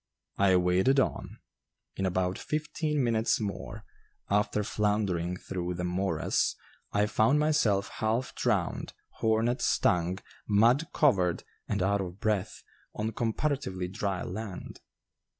I waded on. In about fifteen minutes more, after floundering through the morass, I found myself half drowned, hornet stung, mud covered, and out of breath, on comparatively dry land.